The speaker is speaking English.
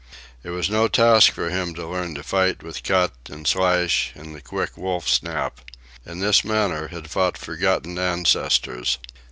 It was no task for him to learn to fight with cut and slash and the quick wolf snap. In this manner had fought forgotten ancestors.